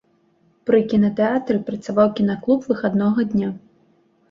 Пры кінатэатры працаваў кінаклуб выхаднога дня.